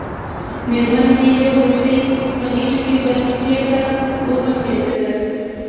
مېرمن يې يو بچی په غېږ کې بل په خېټه وبنګېدله.